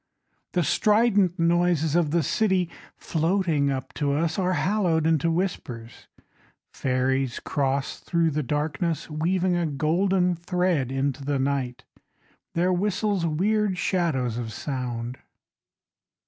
The strident noises of the city Floating up to us Are hallowed into whispers. Ferries cross thru the darkness Weaving a golden thread into the night, Their whistles weird shadows of sound.